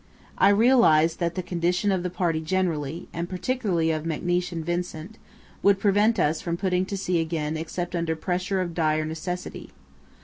I realized that the condition of the party generally, and particularly of McNeish and Vincent, would prevent us putting to sea again except under pressure of dire necessity.